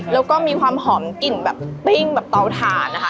แล้วก็มีความหอมกลิ่นแบบปิ้งแบบเตาถ่านนะคะ